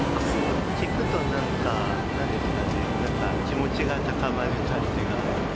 聴くとなんか、なんですかね、なんか気持ちが高まる感じが。